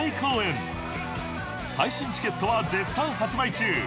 配信チケットは絶賛発売中